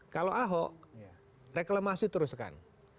kalau ahok reklamasi teruskan